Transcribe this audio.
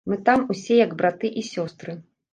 Мы там усе як браты і сёстры.